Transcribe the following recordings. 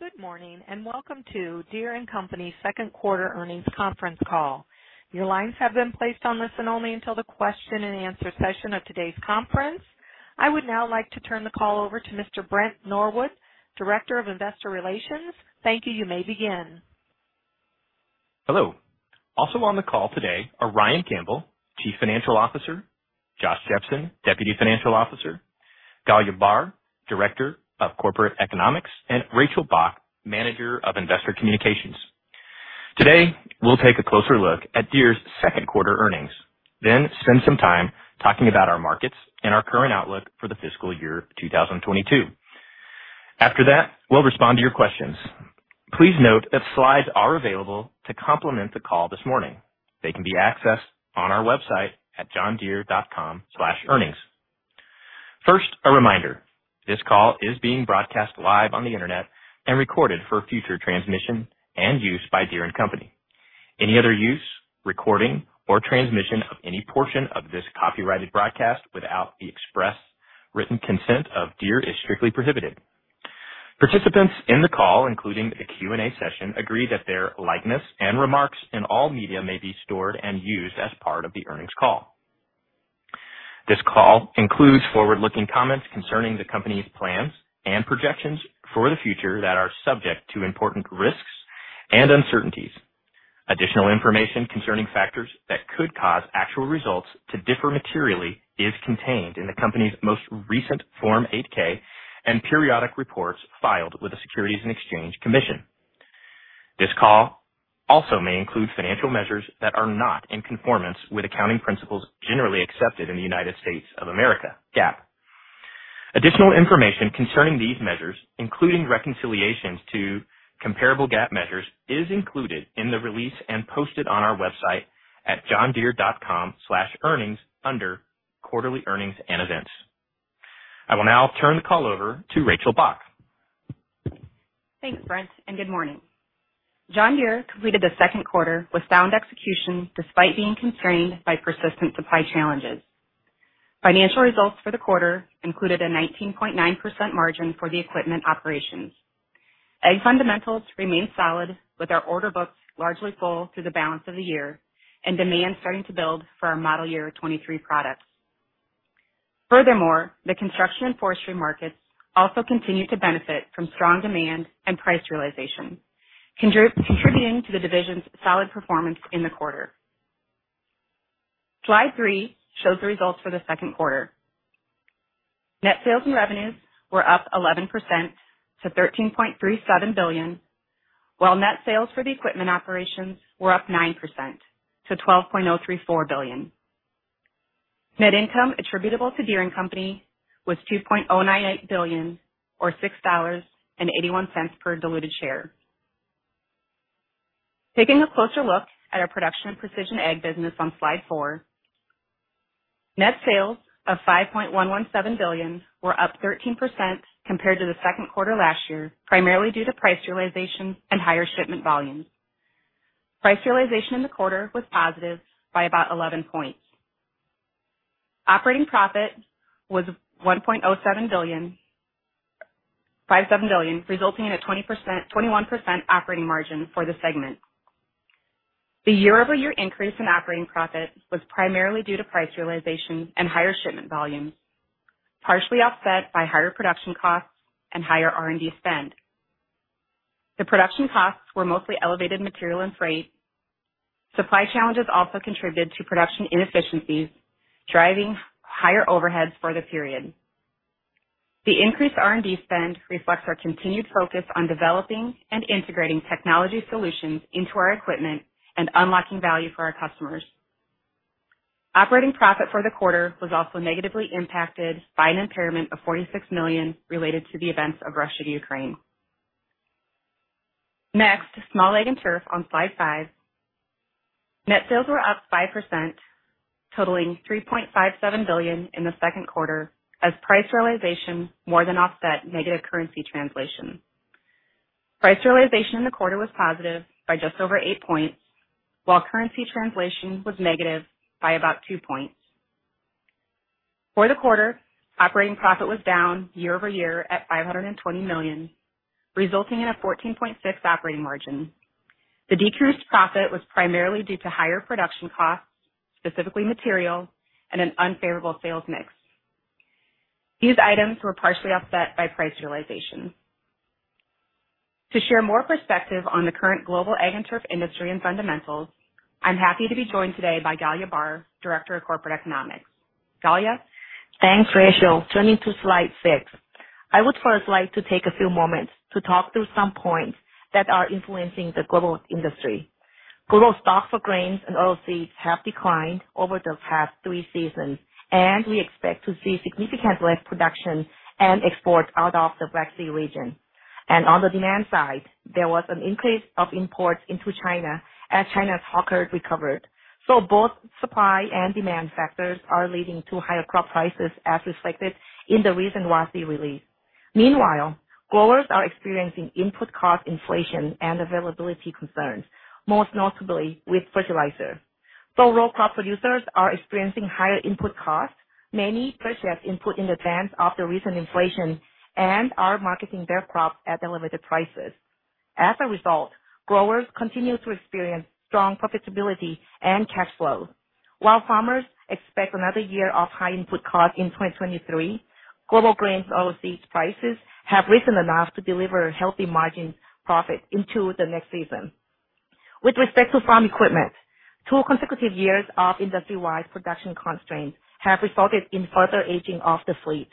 Good morning, and welcome to Deere & Company Q2 earnings conference call. Your lines have been placed on listen-only until the question-and-answer session of today's conference. I would now like to turn the call over to Mr. Brent Norwood, Director of Investor Relations. Thank you. You may begin. Hello. Also on the call today are Ryan Campbell, Chief Financial Officer, Josh Jepsen, Deputy Financial Officer, Kanlaya Barr, Director of Corporate Economics, and Rachel Bach, Manager of Investor Communications. Today, we'll take a closer look at Deere's Q2 earnings, then spend some time talking about our markets and our current outlook for the fiscal year 2022. After that, we'll respond to your questions. Please note that slides are available to complement the call this morning. They can be accessed on our website at johndeere.com/earnings. First, a reminder, this call is being broadcast live on the Internet and recorded for future transmission and use by Deere & Company. Any other use, recording, or transmission of any portion of this copyrighted broadcast without the express written consent of Deere is strictly prohibited. Participants in the call, including the Q&A session, agree that their likeness and remarks in all media may be stored and used as part of the earnings call. This call includes forward-looking comments concerning the company's plans and projections for the future that are subject to important risks and uncertainties. Additional information concerning factors that could cause actual results to differ materially is contained in the company's most recent Form 8-K and periodic reports filed with the Securities and Exchange Commission. This call also may include financial measures that are not in conformance with accounting principles generally accepted in the United States of America, GAAP. Additional information concerning these measures, including reconciliations to comparable GAAP measures, is included in the release and posted on our website at johndeere.com/earnings under Quarterly Earnings and Events. I will now turn the call over to Rachel Bach. Thanks, Brent, and good morning. John Deere completed the Q2 with sound execution despite being constrained by persistent supply challenges. Financial results for the quarter included a 19.9% margin for the equipment operations. Ag fundamentals remain solid with our order books largely full through the balance of the year and demand starting to build for our model year 2023 products. Furthermore, the construction and forestry markets also continue to benefit from strong demand and price realization, contributing to the division's solid performance in the quarter. Slide three shows the results for the Q2. Net sales and revenues were up 11% to $13.37 billion, while net sales for the equipment operations were up 9% to $12.034 billion. Net income attributable to Deere & Company was $2.098 billion or $6.81 per diluted share. Taking a closer look at our Production and Precision Ag business on slide four, net sales of $5.117 billion were up 13% compared to the Q2 last year, primarily due to price realization and higher shipment volumes. Price realization in the quarter was positive by about 11 points. Operating profit was $1.07 billion, resulting in a 21% operating margin for the segment. The year-over-year increase in operating profit was primarily due to price realization and higher shipment volumes, partially offset by higher production costs and higher R&D spend. The production costs were mostly elevated material and freight. Supply challenges also contributed to production inefficiencies, driving higher overheads for the period. The increased R&D spend reflects our continued focus on developing and integrating technology solutions into our equipment and unlocking value for our customers. Operating profit for the quarter was also negatively impacted by an impairment of $46 million related to the events of Russia and Ukraine. Next, Small Ag & Turf on slide five. Net sales were up 5%, totaling $3.57 billion in the Q2 as price realization more than offset negative currency translation. Price realization in the quarter was positive by just over 8 points, while currency translation was negative by about 2 points. For the quarter, operating profit was down year-over-year at $520 million, resulting in a 14.6% operating margin. The decreased profit was primarily due to higher production costs, specifically materials and an unfavorable sales mix. These items were partially offset by price realization. To share more perspective on the current global ag and turf industry and fundamentals, I'm happy to be joined today by Kanlaya Barr, Director of Corporate Economics. Kanlaya? Thanks, Rachel. Turning to slide six. I would first like to take a few moments to talk through some points that are influencing the global industry. Global stock for grains and oil seeds have declined over the past three seasons, and we expect to see significant less production and export out of the Black Sea region. On the demand side, there was an increase of imports into China as China's hog herd recovered. Both supply and demand factors are leading to higher crop prices as reflected in the recent WASDE release. Meanwhile, growers are experiencing input cost inflation and availability concerns, most notably with fertilizer. Row crop producers are experiencing higher input costs. Many purchased input in advance of the recent inflation and are marketing their crops at elevated prices. As a result, growers continue to experience strong profitability and cash flow. While farmers expect another year of high input costs in 2023, global grain overseas prices have risen enough to deliver healthy margin profit into the next season. With respect to farm equipment, two consecutive years of industry-wide production constraints have resulted in further aging of the fleet.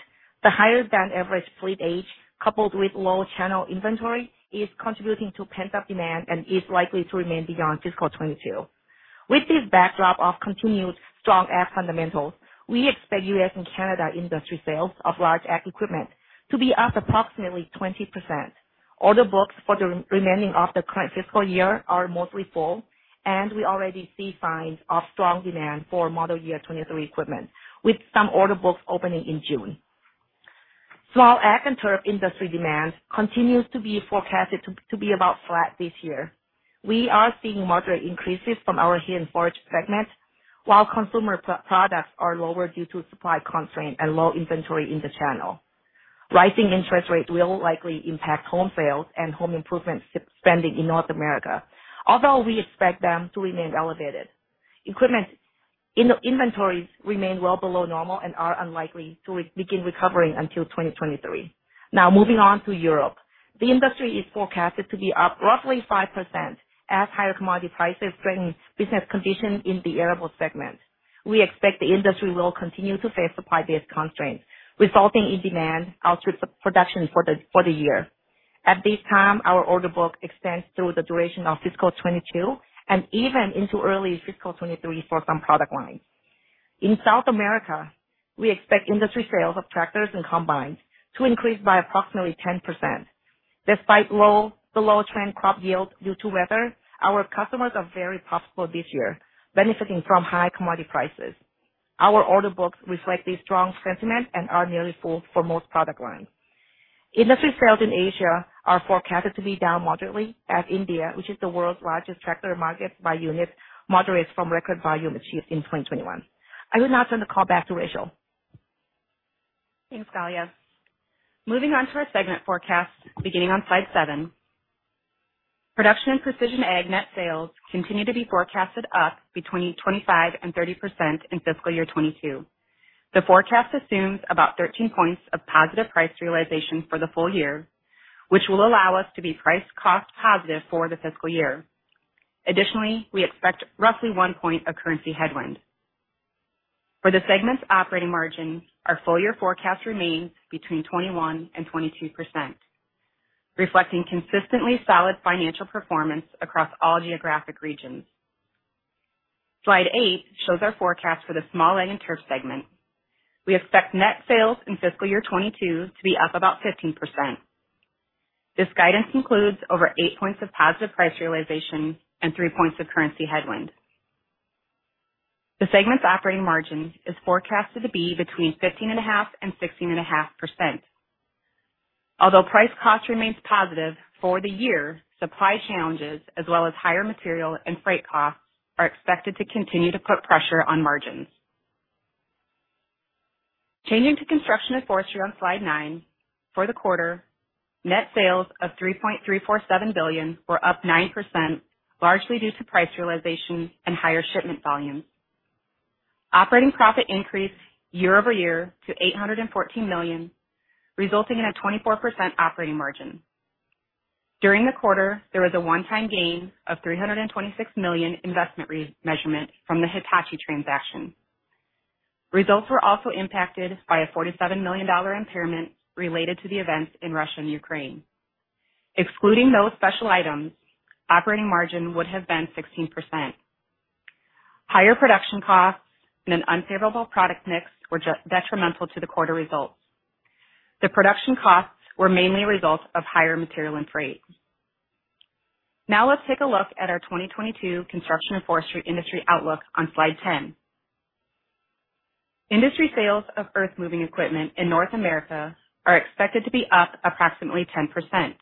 The higher-than-average fleet age, coupled with low channel inventory, is contributing to pent-up demand and is likely to remain beyond fiscal 2022. With this backdrop of continued strong ag fundamentals, we expect U.S. and Canada industry sales of large ag equipment to be up approximately 20%. Order books for the remaining of the current fiscal year are mostly full, and we already see signs of strong demand for model year 2023 equipment, with some order books opening in June. Small Ag & Turf industry demand continues to be forecasted to be about flat this year. We are seeing moderate increases from our hay and forage segment, while consumer products are lower due to supply constraints and low inventory in the channel. Rising interest rates will likely impact home sales and home improvement spending in North America, although we expect them to remain elevated. Equipment in inventories remain well below normal and are unlikely to begin recovering until 2023. Now moving on to Europe. The industry is forecasted to be up roughly 5% as higher commodity prices strengthen business conditions in the arable segment. We expect the industry will continue to face supply-based constraints, resulting in demand outstripping production for the year. At this time, our order book extends through the duration of fiscal 2022 and even into early fiscal 2023 for some product lines. In South America, we expect industry sales of tractors and combines to increase by approximately 10%. Despite low below-trend crop yields due to weather, our customers are very profitable this year, benefiting from high commodity prices. Our order books reflect this strong sentiment and are nearly full for most product lines. Industry sales in Asia are forecasted to be down moderately as India, which is the world's largest tractor market by unit, moderates from record volume achieved in 2021. I will now turn the call back to Rachel. Thanks, Kanlaya. Moving on to our segment forecast beginning on slide 7. Production and Precision Ag net sales continue to be forecasted up between 25% and 30% in fiscal year 2022. The forecast assumes about 13 points of positive price realization for the full year, which will allow us to be price cost positive for the fiscal year. Additionally, we expect roughly 1 point of currency headwind. For the segment's operating margin, our full year forecast remains between 21% and 22%, reflecting consistently solid financial performance across all geographic regions. Slide 8 shows our forecast for the Small Ag & Turf segment. We expect net sales in fiscal year 2022 to be up about 15%. This guidance includes over 8 points of positive price realization and 3 points of currency headwind. The segment's operating margin is forecasted to be between 15.5% and 16.5%. Although price cost remains positive for the year, supply challenges as well as higher material and freight costs are expected to continue to put pressure on margins. Changing to Construction & Forestry on slide nine. For the quarter, net sales of $3.347 billion were up 9%, largely due to price realization and higher shipment volumes. Operating profit increased year-over-year to $814 million, resulting in a 24% operating margin. During the quarter, there was a one-time gain of $326 million investment re-measurement from the Hitachi transaction. Results were also impacted by a $47 million impairment related to the events in Russia and Ukraine. Excluding those special items, operating margin would have been 16%. Higher production costs and an unfavorable product mix were detrimental to the quarter results. The production costs were mainly a result of higher material and freight. Now let's take a look at our 2022 Construction & Forestry industry outlook on slide 10. Industry sales of earthmoving equipment in North America are expected to be up approximately 10%,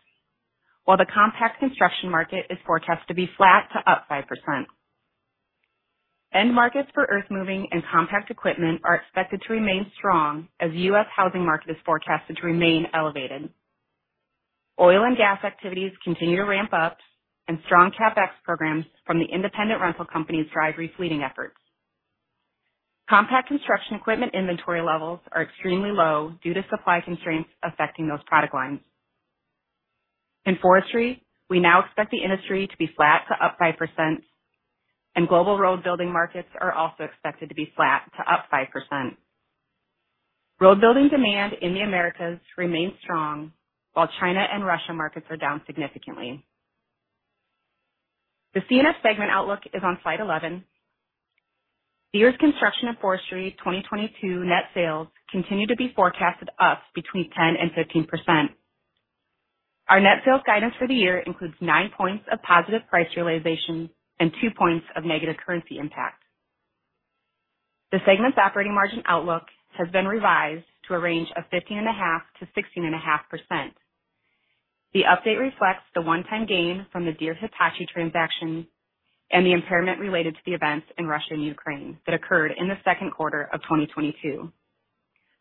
while the compact construction market is forecast to be flat to up 5%. End markets for earthmoving and compact equipment are expected to remain strong as U.S. housing market is forecasted to remain elevated. Oil and gas activities continue to ramp up and strong CapEx programs from the independent rental companies drive replenishing efforts. Compact construction equipment inventory levels are extremely low due to supply constraints affecting those product lines. In forestry, we now expect the industry to be flat to up 5%, and global road building markets are also expected to be flat to up 5%. Road building demand in the Americas remains strong, while China and Russia markets are down significantly. The C&F segment outlook is on slide 11. The year's Construction & Forestry 2022 net sales continue to be forecasted up between 10% and 15%. Our net sales guidance for the year includes 9 points of positive price realization and 2 points of negative currency impact. The segment's operating margin outlook has been revised to a range of 15.5%-16.5%. The update reflects the one-time gain from the Deere-Hitachi transaction and the impairment related to the events in Russia and Ukraine that occurred in the Q2 of 2022.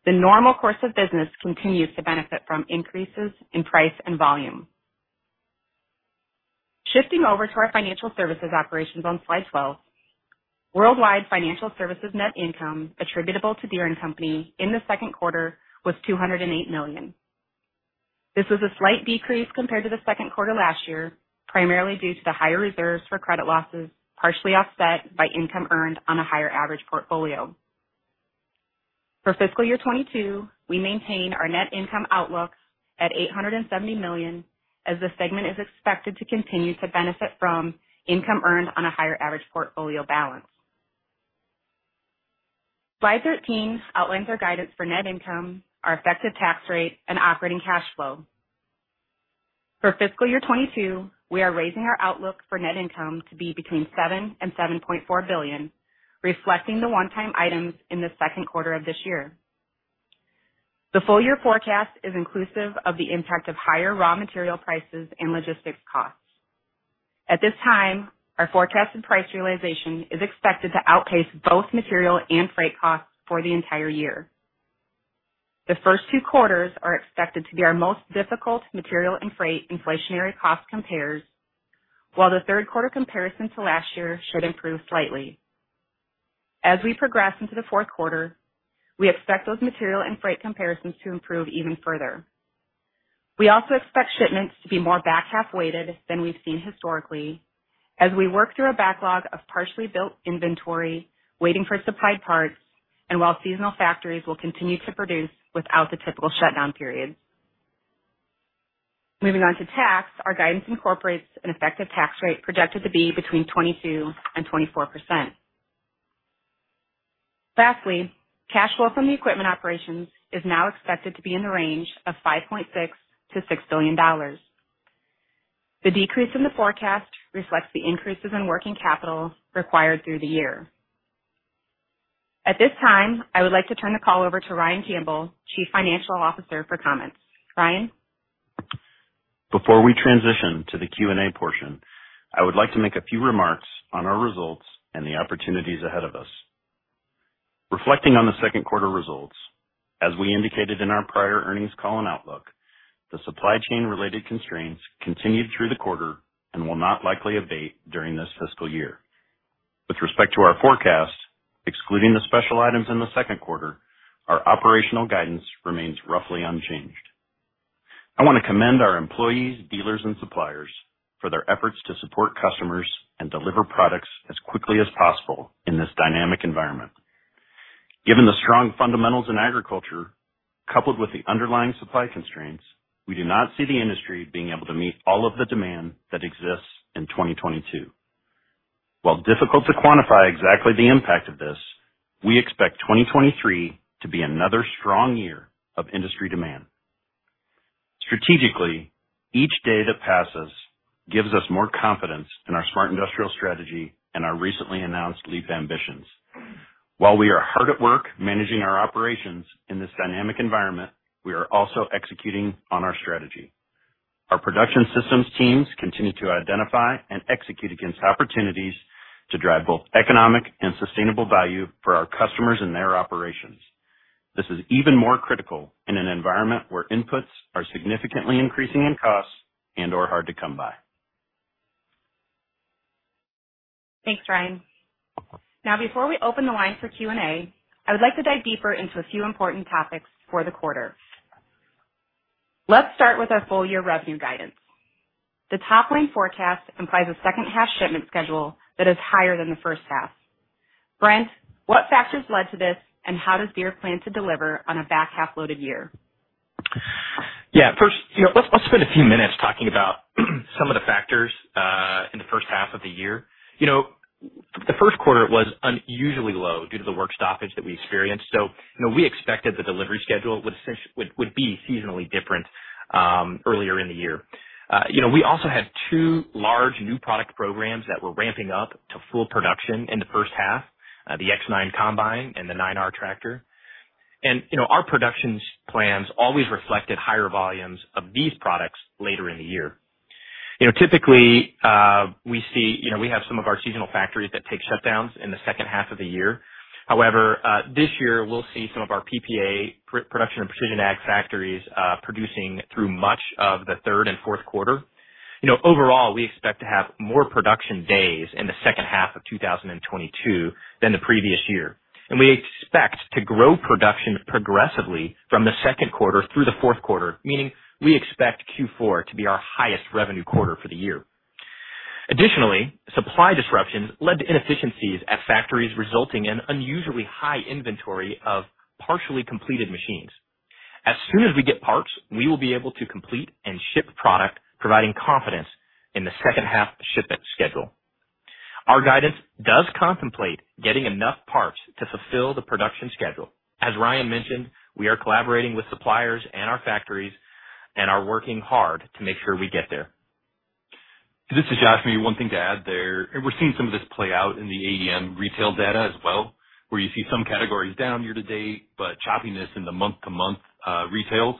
The normal course of business continues to benefit from increases in price and volume. Shifting over to our financial services operations on slide 12. Worldwide financial services net income attributable to Deere & Company in the Q2 was $208 million. This was a slight decrease compared to the Q2 last year, primarily due to the higher reserves for credit losses, partially offset by income earned on a higher average portfolio. For fiscal year 2022, we maintain our net income outlook at $870 million, as the segment is expected to continue to benefit from income earned on a higher average portfolio balance. Slide 13 outlines our guidance for net income, our effective tax rate, and operating cash flow. For fiscal year 2022, we are raising our outlook for net income to be between $7 billion-$7.4 billion, reflecting the one-time items in the Q2 of this year. The full year forecast is inclusive of the impact of higher raw material prices and logistics costs. At this time, our forecasted price realization is expected to outpace both material and freight costs for the entire year. The first Q2 are expected to be our most difficult material and freight inflationary cost compares, while the Q3 comparison to last year should improve slightly. As we progress into the Q4, we expect those material and freight comparisons to improve even further. We also expect shipments to be more back-half weighted than we've seen historically as we work through a backlog of partially built inventory waiting for supplied parts, and while seasonal factories will continue to produce without the typical shutdown periods. Moving on to tax, our guidance incorporates an effective tax rate projected to be between 22% and 24%. Lastly, cash flow from the equipment operations is now expected to be in the range of $5.6 billion-$6 billion. The decrease in the forecast reflects the increases in working capital required through the year. At this time, I would like to turn the call over to Ryan Campbell, Chief Financial Officer, for comments. Ryan? Before we transition to the Q&A portion, I would like to make a few remarks on our results and the opportunities ahead of us. Reflecting on the Q2 results, as we indicated in our prior earnings call and outlook, the supply chain-related constraints continued through the quarter and will not likely abate during this fiscal year. With respect to our forecast, excluding the special items in the Q2, our operational guidance remains roughly unchanged. I wanna commend our employees, dealers, and suppliers for their efforts to support customers and deliver products as quickly as possible in this dynamic environment. Given the strong fundamentals in agriculture, coupled with the underlying supply constraints, we do not see the industry being able to meet all of the demand that exists in 2022. While difficult to quantify exactly the impact of this, we expect 2023 to be another strong year of industry demand. Strategically, each day that passes gives us more confidence in our Smart Industrial strategy and our recently announced LEAP ambitions. While we are hard at work managing our operations in this dynamic environment, we are also executing on our strategy. Our production systems teams continue to identify and execute against opportunities to drive both economic and sustainable value for our customers and their operations. This is even more critical in an environment where inputs are significantly increasing in cost and/or hard to come by. Thanks, Ryan. Now, before we open the line for Q&A, I would like to dive deeper into a few important topics for the quarter. Let's start with our full year revenue guidance. The top-line forecast implies a H1 shipment schedule that is higher than the H1. Brent, what factors led to this, and how does Deere plan to deliver on a back-half loaded year? Yeah. First let's spend a few minutes talking about some of the factors in the H1 of the year. The Q1 was unusually low due to the work stoppage that we experienced. We expected the delivery schedule would be seasonally different earlier in the year. we also had two large new product programs that were ramping up to full production in the H1 the X9 combine and the 9R tractor. our production plans always reflected higher volumes of these products later in the year. typically, we have some of our seasonal factories that take shutdowns in the H2 of the year. However, this year, we'll see some of our PPA, Production and Precision Ag factories, producing through much of the Q3 and Q4. overall, we expect to have more production days in the H2 of 2022 than the previous year. We expect to grow production progressively from the Q2 through the Q4, meaning we expect Q4 to be our highest revenue quarter for the year. Additionally, supply disruptions led to inefficiencies at factories, resulting in unusually high inventory of partially completed machines. As soon as we get parts, we will be able to complete and ship product, providing confidence in the H2 shipment schedule. Our guidance does contemplate getting enough parts to fulfill the production schedule. As Ryan mentioned, we are collaborating with suppliers and our factories and are working hard to make sure we get there. This is Josh. One thing to add there, and we're seeing some of this play out in the AEM retail data as well, where you see some categories down year to date, but choppiness in the month-to-month retail.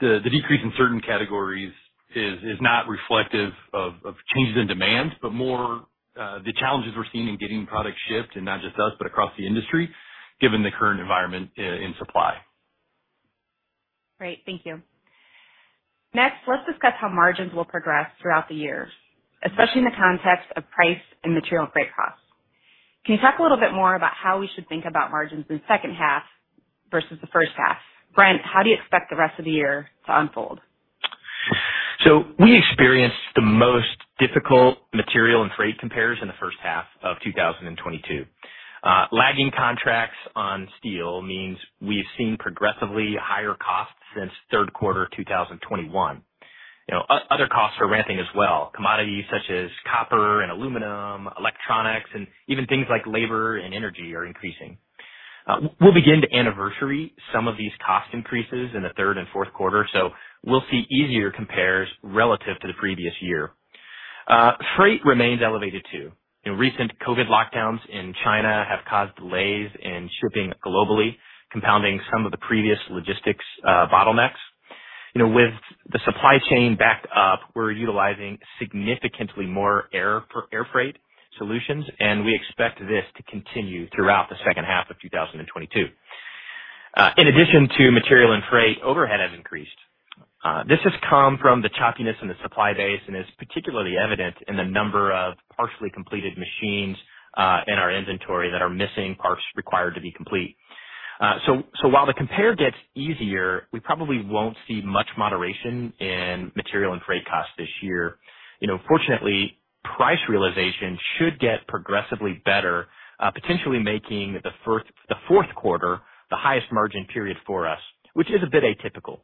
The decrease in certain categories is not reflective of changes in demand, but more, the challenges we're seeing in getting product shipped, and not just us, but across the industry given the current environment in supply. Great. Thank you. Next, let's discuss how margins will progress throughout the year, especially in the context of price and material and freight costs. Can you talk a little bit more about how we should think about margins in H2 versus the H1? Brent, how do you expect the rest of the year to unfold? We experienced the most difficult material and freight compares in the H1of 2022. Lagging contracts on steel means we've seen progressively higher costs since Q3 of 2021. Other costs are ramping as well. Commodities such as copper and aluminum, electronics, and even things like labor and energy are increasing. We'll begin to anniversary some of these cost increases in the third and Q4, so we'll see easier compares relative to the previous year. Freight remains elevated too. Recent COVID lockdowns in China have caused delays in shipping globally, compounding some of the previous logistics bottlenecks. With the supply chain backed up, we're utilizing significantly more air freight solutions, and we expect this to continue throughout the H2of 2022. In addition to material and freight, overhead has increased. This has come from the choppiness in the supply base and is particularly evident in the number of partially completed machines in our inventory that are missing parts required to be complete. So while the compare gets easier, we probably won't see much moderation in material and freight costs this year. Fortunately, price realization should get progressively better, potentially making the Q4 the highest margin period for us, which is a bit atypical.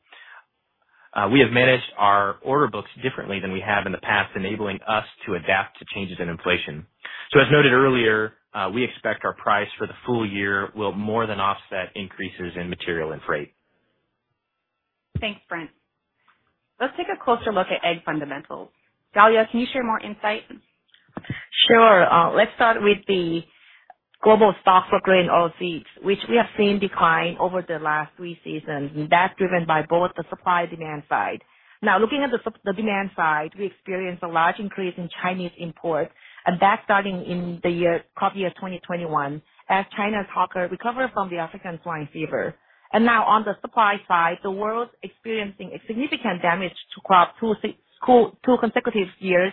We have managed our order books differently than we have in the past, enabling us to adapt to changes in inflation. As noted earlier, we expect our price for the full year will more than offset increases in material and freight. Thanks, Brent. Let's take a closer look at ag fundamentals. Kanlaya, can you share more insight? Sure. Let's start with the global stocks of grain oilseeds, which we have seen decline over the last three seasons, and that's driven by both the supply and demand side. Now looking at the demand side, we experienced a large increase in Chinese imports, and that starting in the crop year 2021 as China's hog herd recovered from the African swine fever. Now on the supply side, the world's experiencing a significant damage to crop in two consecutive years.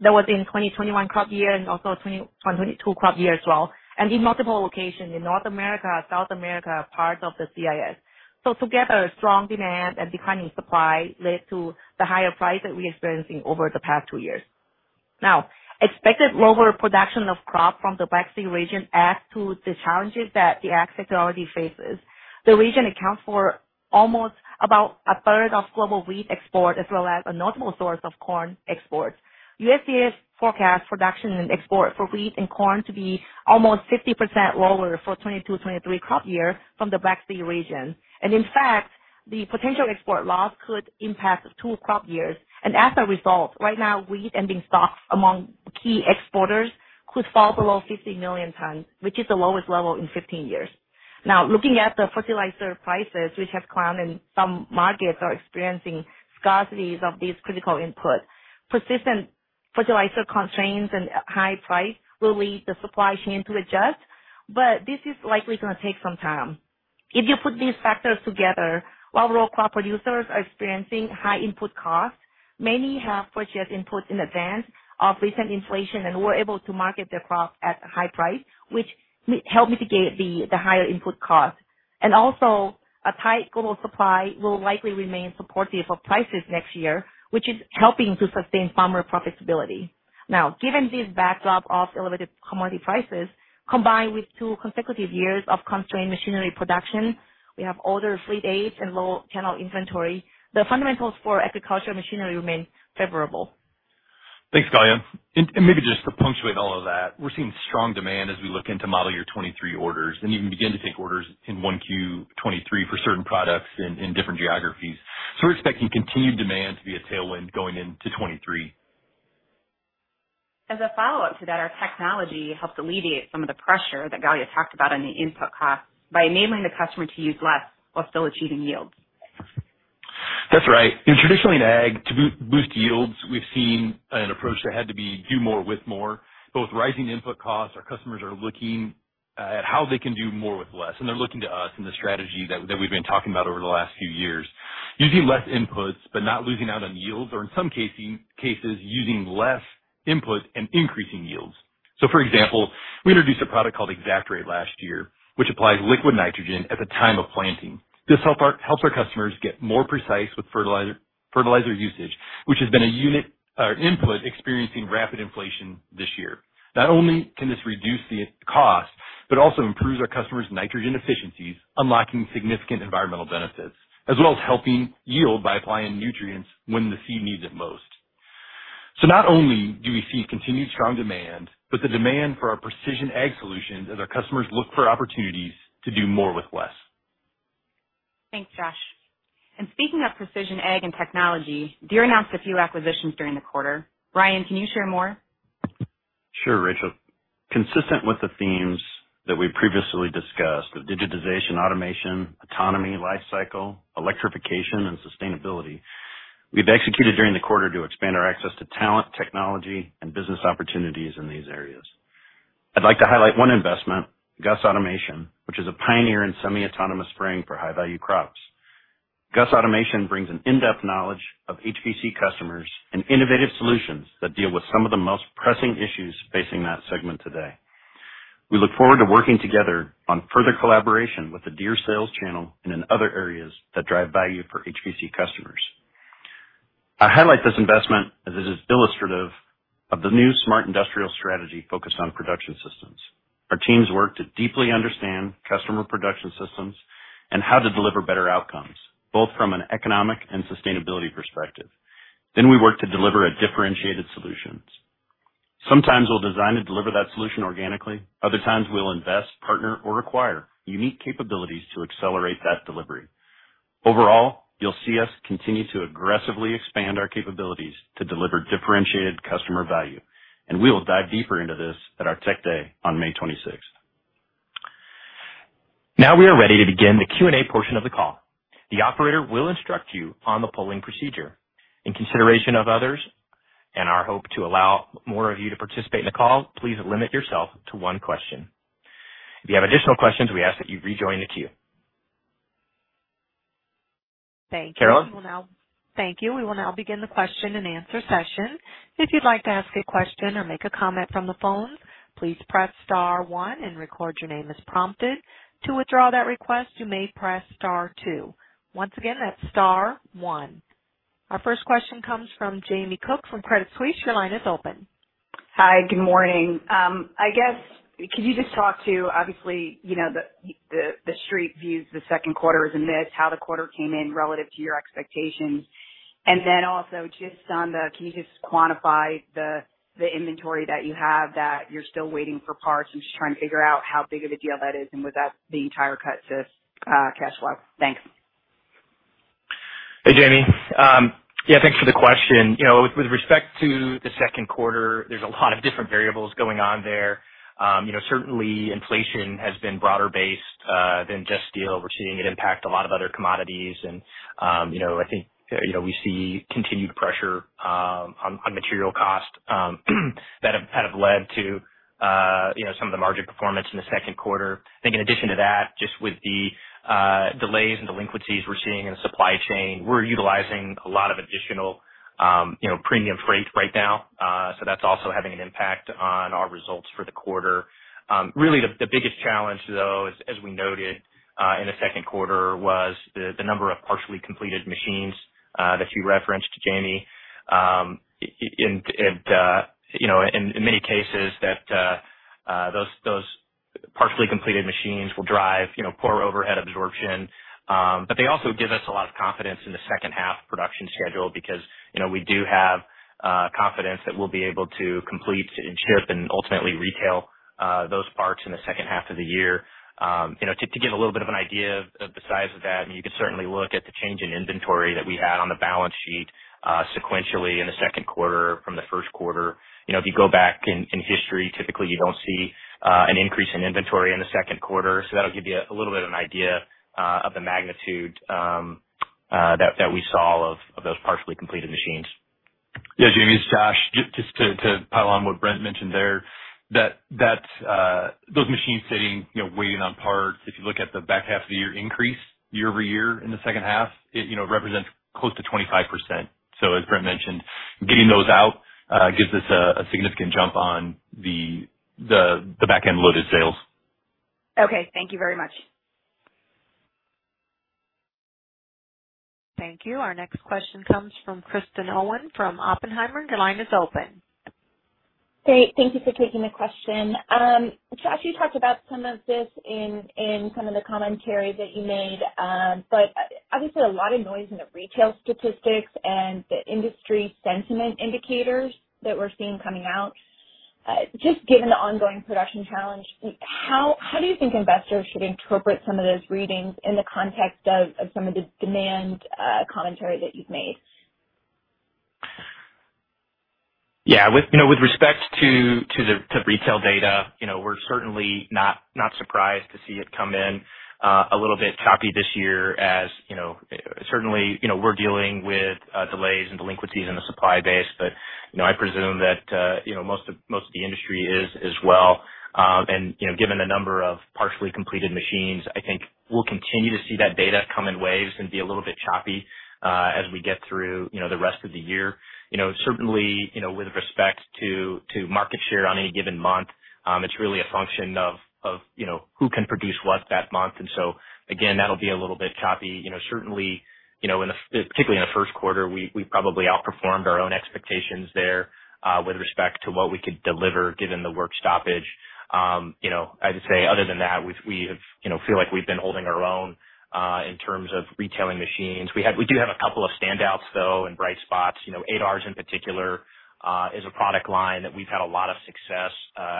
That was in crop year 2021 and also crop year 2022 as well, and in multiple locations in North America, South America, parts of the CIS. Together, strong demand and declining supply led to the higher price that we're experiencing over the past two years. Now, expected lower production of crop from the Black Sea region add to the challenges that the ag sector already faces. The region accounts for almost about a third of global wheat export as well as a notable source of corn exports. USDA's forecast production and export for wheat and corn to be almost 50% lower for 2022-2023 crop year from the Black Sea region. In fact, the potential export loss could impact two crop years. As a result, right now, wheat ending stocks among key exporters could fall below 50 million tons, which is the lowest level in 15 years. Now, looking at the fertilizer prices, which have climbed and some markets are experiencing scarcities of these critical inputs. Persistent fertilizer constraints and high price will lead the supply chain to adjust, but this is likely gonna take some time. If you put these factors together, while rural crop producers are experiencing high input costs, many have purchased inputs in advance of recent inflation and were able to market their crops at a high price, which helped mitigate the higher input cost. Also, a tight global supply will likely remain supportive of prices next year, which is helping to sustain farmer profitability. Now, given this backdrop of elevated commodity prices, combined with two consecutive years of constrained machinery production, we have older fleet age and low channel inventory. The fundamentals for agricultural machinery remain favorable. Thanks, Galia. Maybe just to punctuate all of that, we're seeing strong demand as we look into model year 2023 orders and even begin to take orders in 1Q 2023 for certain products in different geographies. We're expecting continued demand to be a tailwind going into 2023. As a follow-up to that, our technology helped alleviate some of the pressure that Kanlaya talked about on the input costs by enabling the customer to use less while still achieving yields. That's right. Traditionally in ag, to boost yields, we've seen an approach that had to be do more with more. With both rising input costs, our customers are looking at how they can do more with less, and they're looking to us and the strategy that we've been talking about over the last few years. Using less inputs, but not losing out on yields or in some cases, using less input and increasing yields. For example, we introduced a product called ExactRate last year, which applies liquid nitrogen at the time of planting. This helps our customers get more precise with fertilizer usage, which has been a unit input experiencing rapid inflation this year. Not only can this reduce the cost, but also improves our customers' nitrogen efficiencies, unlocking significant environmental benefits, as well as helping yield by applying nutrients when the seed needs it most. Not only do we see continued strong demand, but the demand for our Precision Ag solutions as our customers look for opportunities to do more with less. Thanks, Josh. Speaking of precision ag and technology, Deere announced a few acquisitions during the quarter. Ryan, can you share more? Sure, Rachel. Consistent with the themes that we previously discussed of digitization, automation, autonomy, life cycle, electrification, and sustainability, we've executed during the quarter to expand our access to talent, technology, and business opportunities in these areas. I'd like to highlight one investment, GUSS Automation, which is a pioneer in semi-autonomous spraying for high-value crops. GUSS Automation brings an in-depth knowledge of HVC customers and innovative solutions that deal with some of the most pressing issues facing that segment today. We look forward to working together on further collaboration with the Deere sales channel and in other areas that drive value for HVC customers. I highlight this investment as it is illustrative of the new Smart Industrial strategy focused on production systems. Our teams work to deeply understand customer production systems and how to deliver better outcomes, both from an economic and sustainability perspective. We work to deliver a differentiated solutions. Sometimes we'll design and deliver that solution organically. Other times we'll invest, partner, or acquire unique capabilities to accelerate that delivery. Overall, you'll see us continue to aggressively expand our capabilities to deliver differentiated customer value, and we will dive deeper into this at our Tech Day on May 26th. Now we are ready to begin the Q&A portion of the call. The operator will instruct you on the polling procedure. In consideration of others and our hope to allow more of you to participate in the call, please limit yourself to one question. If you have additional questions, we ask that you rejoin the queue. Thank you. Caroline? Thank you. We will now begin the question-and-answer session. If you'd like to ask a question or make a comment from the phone, please press star one and record your name as prompted. To withdraw that request, you may press star two. Once again, that's star one. Our first question comes from Jamie Cook from Credit Suisse. Your line is open. Hi. Good morning. I guess could you just talk through, obviously the Street views the Q2 as a miss, how the quarter came in relative to your expectations. Can you just quantify the inventory that you have that you're still waiting for parts? I'm just trying to figure out how big of a deal that is and was that the entire cut to cash flow. Thanks. Hey, Jamie. Yeah, thanks for the question. with respect to the Q2, there's a lot of different variables going on there. certainly inflation has been broader based than just steel. We're seeing it impact a lot of other commodities. I think we see continued pressure on material costs that have kind of led to some of the margin performance in the Q2. I think in addition to that, just with the delays and delinquencies we're seeing in the supply chain, we're utilizing a lot of additional premium freight right now. So that's also having an impact on our results for the quarter. Really, the biggest challenge, though, as we noted in the Q2, was the number of partially completed machines that you referenced, Jamie. in many cases those partially completed machines will drive poor overhead absorption. They also give us a lot of confidence in the H2 production schedule because we do have confidence that we'll be able to complete and ship and ultimately retail those parts in the H2 of the year. to give a little bit of an idea of the size of that, I mean, you could certainly look at the change in inventory that we had on the balance sheet sequentially in the Q2 from the Q1. if you go back in history, typically you don't see an increase in inventory in the Q2. That'll give you a little bit of an idea of the magnitude that we saw of those partially completed machines. Yeah, Jamie, it's Josh. Just to pile on what Brent mentioned there, that those machines sitting waiting on parts, if you look at the back half of the year increase year-over-year in the H2, it represents close to 25%. As Brent mentioned, getting those out gives us a significant jump on the back-end-loaded sales. Okay. Thank you very much. Thank you. Our next question comes from Kristen Owen from Oppenheimer. Your line is open. Great. Thank you for taking the question. Josh, you talked about some of this in some of the commentary that you made, obviously a lot of noise in the retail statistics and the industry sentiment indicators that we're seeing coming out. Just given the ongoing production challenge, how do you think investors should interpret some of those readings in the context of some of the demand commentary that you've made? With respect to the retail data we're certainly not surprised to see it come in a little bit choppy this year. As certainly we're dealing with delays and delinquencies in the supply base. I presume that most of the industry is as well. given the number of partially completed machines, I think we'll continue to see that data come in waves and be a little bit choppy as we get through the rest of the year. certainly, with respect to market share on any given month, it's really a function of who can produce what that month. Again, that'll be a little bit choppy. certainly particularly in the Q1 we probably outperformed our own expectations there with respect to what we could deliver given the work stoppage. I'd say other than that, we feel like we've been holding our own in terms of retailing machines. We do have a couple of standouts though and bright spots. ADTs in particular is a product line that we've had a lot of success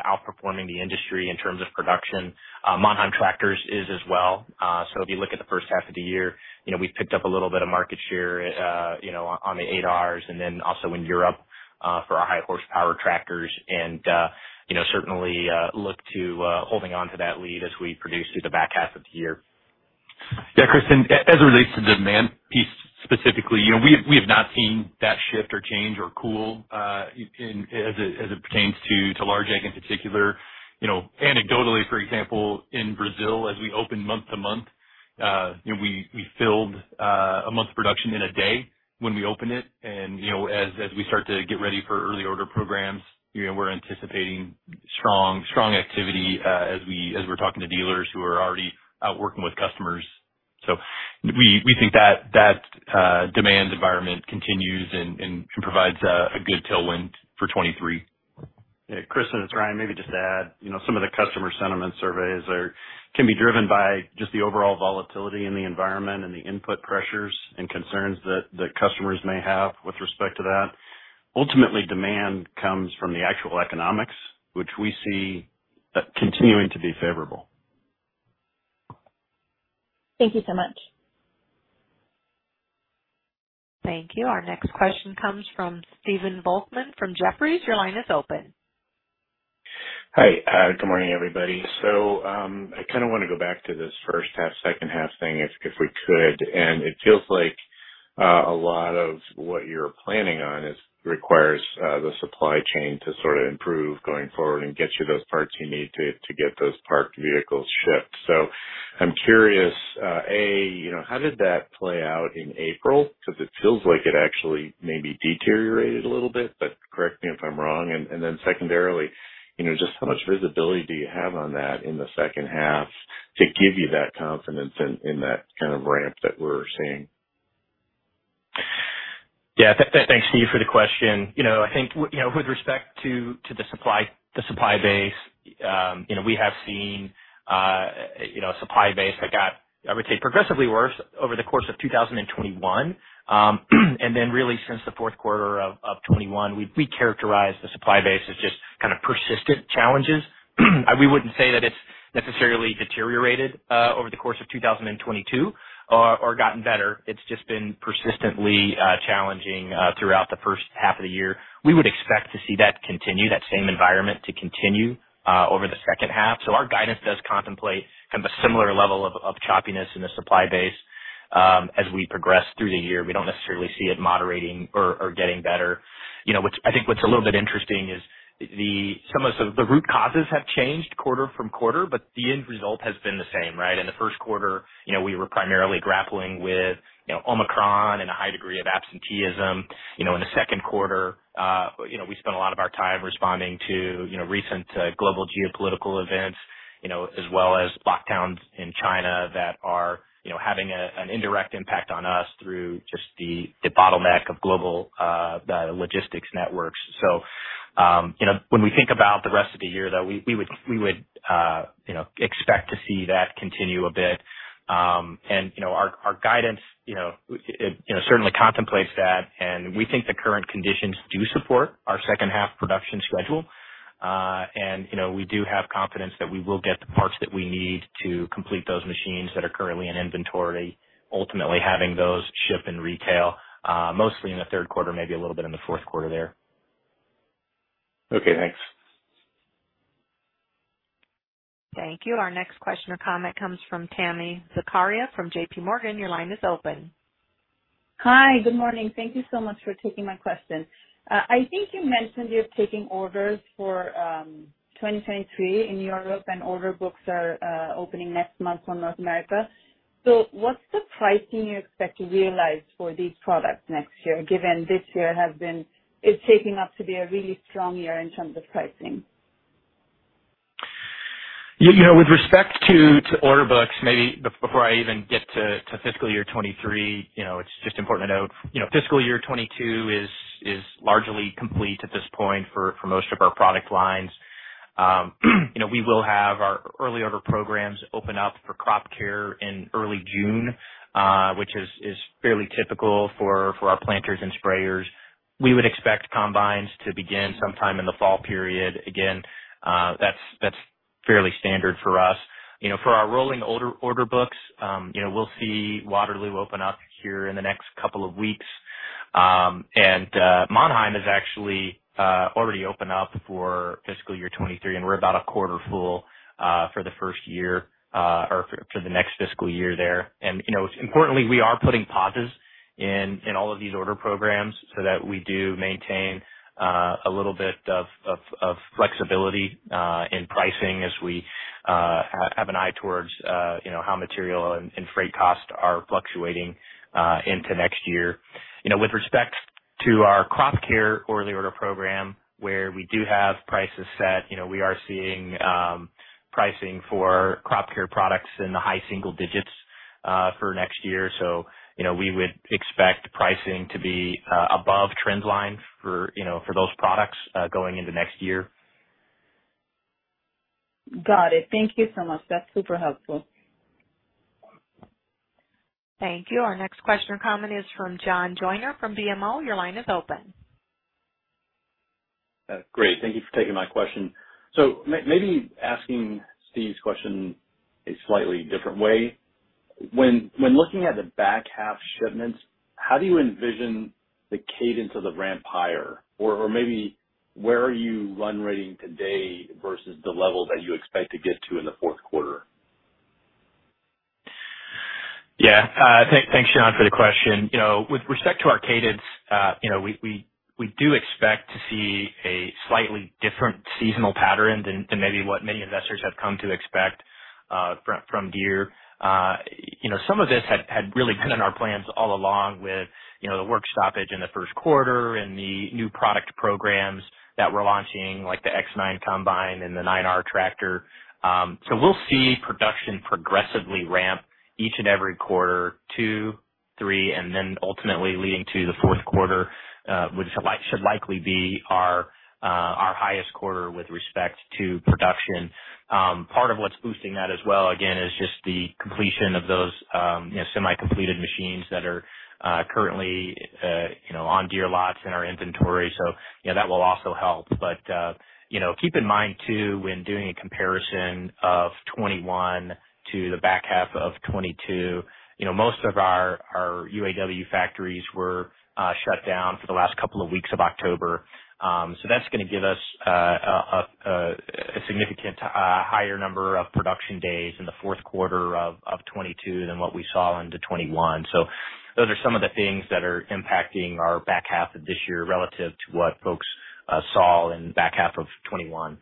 outperforming the industry in terms of production. Mannheim Tractors is as well. If you look at the H1 of the year we've picked up a little bit of market share on the 8Rs, and then also in Europe, for our high horsepower tractors and certainly look to holding onto that lead as we produce through the back half of the year. Yeah, Kristen, as it relates to demand piece specifically we have not seen that shift or change or cool in as it pertains to large ag in particular. Anecdotally, for example, in Brazil as we open month to month we filled a month's production in a day when we opened it. As we start to get ready for early order programs we're anticipating strong activity as we're talking to dealers who are already out working with customers. We think that demand environment continues and provides a good tailwind for 2023. Yeah, Kristen, it's Ryan. Maybe just to add. some of the customer sentiment surveys can be driven by just the overall volatility in the environment and the input pressures and concerns that customers may have with respect to that. Ultimately, demand comes from the actual economics, which we see continuing to be favorable. Thank you so much. Thank you. Our next question comes from Stephen Volkmann from Jefferies. Your line is open. Hi, good morning, everybody. I kinda wanna go back to this H1, H2 thing if we could. It feels like a lot of what you're planning on requires the supply chain to sort of improve going forward and get you those parts you need to get those parked vehicles shipped. I'm curious, As how did that play out in April? 'Cause it feels like it actually maybe deteriorated a little bit, but correct me if I'm wrong. Then secondarily, you know, just how much visibility do you have on that in the H2 to give you that confidence in that kind of ramp that we're seeing? Yeah. Thanks to you for the question. You know, I think you know, with respect to the supply base, you know, we have seen you know a supply base that got, I would say, progressively worse over the course of 2021. And then really since the Q1 of 2021, we characterize the supply base as just kind of persistent challenges. We wouldn't say that it's necessarily deteriorated over the course of 2022 or gotten better. It's just been persistently challenging throughout the Q1 of the year. We would expect to see that continue, that same environment to continue over the Q2. Our guidance does contemplate kind of a similar level of choppiness in the supply base as we progress through the year. We don't necessarily see it moderating or getting better. You know, I think what's a little bit interesting is some of the root causes have changed quarter-to-quarter, but the end result has been the same, right? In the Q1 you know, we were primarily grappling with, you know, Omicron and a high degree of absenteeism. You know, in the Q2, you know, we spent a lot of our time responding to, you know, recent global geopolitical events, you know, as well as lockdowns in China that are, you know, having an indirect impact on us through just the bottleneck of global logistics networks. You know, when we think about the rest of the year, though, we would expect to see that continue a bit. You know, our guidance, you know, certainly contemplates that. We think the current conditions do support our Q2 production schedule. You know, we do have confidence that we will get the parts that we need to complete those machines that are currently in inventory, ultimately having those ship in retail, mostly in the Q3, maybe a little bit in the Q4 there. Okay, thanks. Thank you. Our next question or comment comes from Tami Zakaria from JP Morgan. Your line is open. Hi. Good morning. Thank you so much for taking my question. I think you mentioned you're taking orders for 2023 in Europe and order books are opening next month for North America. What's the pricing you expect to realize for these products next year, given this year is shaping up to be a really strong year in terms of pricing? You know, with respect to order books, before I even get to fiscal year 2023, you know, it's just important to note, you know, fiscal year 2022 is largely complete at this point for most of our product lines. You know, we will have our early order programs open up for crop care in early June, which is fairly typical for our planters and sprayers. We would expect combines to begin sometime in the fall period. Again, that's fairly standard for us. You know, for our rolling order books, you know, we'll see Waterloo open up here in the next couple of weeks. Mannheim is actually already open up for fiscal year 2023, and we're about a quarter full for the first year or for the next fiscal year there. You know, importantly, we are putting pauses in all of these order programs so that we do maintain a little bit of flexibility in pricing as we have an eye towards you know how material and freight costs are fluctuating into next year. You know, with respect to our crop care early order program, where we do have prices set, you know, we are seeing pricing for crop care products in the high single digits% for next year. You know, we would expect pricing to be above trend line for those products going into next year. Got it. Thank you so much. That's super helpful. Thank you. Our next question or comment is from Joel Jackson from BMO. Your line is open. Great. Thank you for taking my question. Maybe asking Steve's question a slightly different way. When looking at the back half shipments, how do you envision the cadence of the ramp higher? Maybe where are you run rating today versus the level that you expect to get to in the Q4? Yeah. Thanks John for the question. You know, with respect to our cadence, you know, we do expect to see a slightly different seasonal pattern than maybe what many investors have come to expect from Deere. You know, some of this had really been in our plans all along with the work stoppage in the Q1 and the new product programs that we're launching, like the X9 combine and the 9R tractor. We'll see production progressively ramp each and every quarter two, three, and then ultimately leading to the Q4, which should likely be our highest quarter with respect to production. Part of what's boosting that as well again is just the completion of those, you know, semi-completed machines that are currently, you know, on Deere lots in our inventory. You know, that will also help. You know, keep in mind too, when doing a comparison of 2021 to the back half of 2022, you know, most of our UAW factories were shut down for the last couple of weeks of October. That's gonna give us a significant higher number of production days in the Q4 of 2022 than what we saw in 2021. Those are some of the things that are impacting our back half of this year relative to what folks saw in back half of 2021.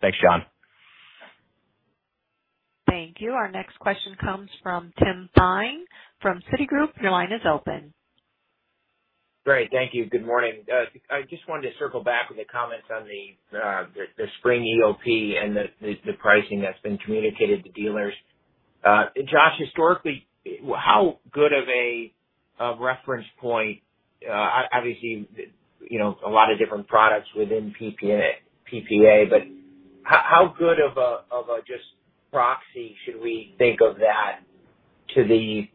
Thanks, John. Thank you. Our next question comes from Timothy W. Thein from Citigroup. Your line is open. Great. Thank you. Good morning. I just wanted to circle back on the comments on the spring EOP and the pricing that's been communicated to dealers. Josh, historically, how good of a reference point, obviously, you know, a lot of different products within PPA. But how good of a just proxy should we think of that to the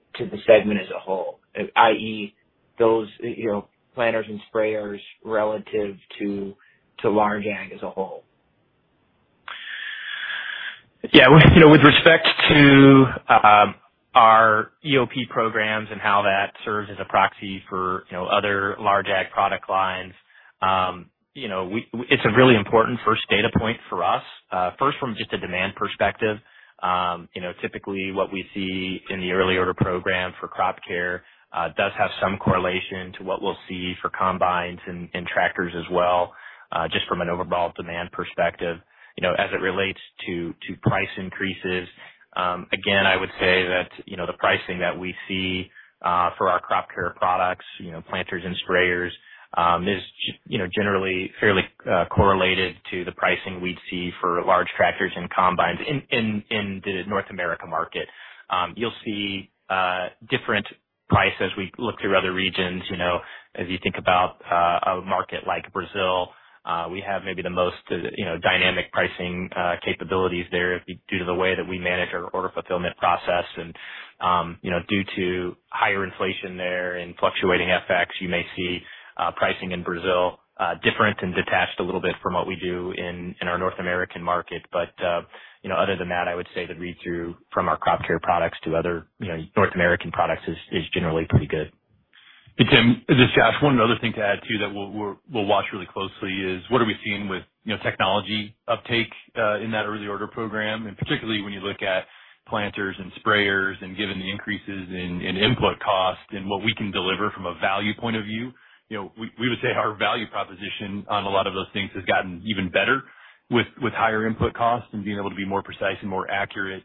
segment as a whole? i.e., those, you know, planters and sprayers relative to large ag as a whole. Yeah. You know, with respect to our EOP programs and how that serves as a proxy for, you know, other large ag product lines, you know it's a really important first data point for us. First from just a demand perspective. You know, typically what we see in the early order program for crop care does have some correlation to what we'll see for combines and tractors as well, just from an overall demand perspective. You know, as it relates to price increases, again, I would say that, you know, the pricing that we see for our crop care products, you know, planters and sprayers, you know, generally fairly correlated to the pricing we'd see for large tractors and combines in the North American market. You'll see different pricing as we look through other regions. You know, as you think about a market like Brazil, we have maybe the most, you know, dynamic pricing capabilities there due to the way that we manage our order fulfillment process. You know, due to higher inflation there and fluctuating FX, you may see pricing in Brazil different and detached a little bit from what we do in our North American market. You know, other than that, I would say the read through from our crop care products to other, you know, North American products is generally pretty good. Hey, Tim, this is Josh. One other thing to add too that we'll watch really closely is what are we seeing with, you know, technology uptake in that early order program. Particularly when you look at planters and sprayers and given the increases in input cost and what we can deliver from a value point of view. You know, we would say our value proposition on a lot of those things has gotten even better with higher input costs and being able to be more precise and more accurate